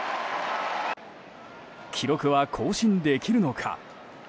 記録は更新できるのか。